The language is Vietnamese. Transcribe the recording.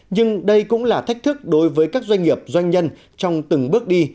nhưng đây cũng là thách thức đối với các doanh nghiệp doanh nhân trong từng bước đi